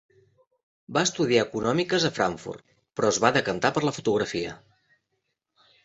Va estudiar econòmiques a Frankfurt, però es va decantar per la fotografia.